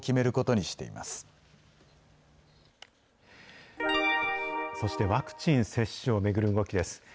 そしてワクチン接種を巡る動きです。